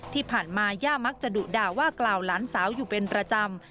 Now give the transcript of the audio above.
ที่ผ่านมาย่ามักจะดุด่าว่ากล่าวหลานสาวอยู่เป็นประจำ